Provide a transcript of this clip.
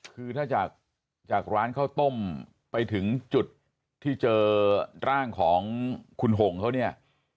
คือถ้าจากจากร้านข้าวต้มไปถึงจุดที่เจอร่างของคุณหงเขาเนี่ย